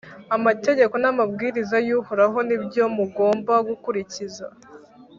«Amategeko n’amabwiriza y’Uhoraho, ni byo mugomba gukurikiza.»